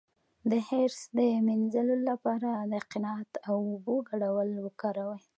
د حرص د مینځلو لپاره د قناعت او اوبو ګډول وکاروئ